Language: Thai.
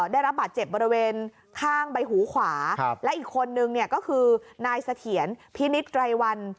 ได้รับบาดเจ็บบริเวณข้างใบหูขวาและอีกคนนึงเนี่ยก็คือนายเสถียรพินิษฐ์ไกรวัน